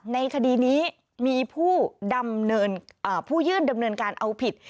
ในคดีนี้มีผู้ยื่นดำเนินการเอาผิด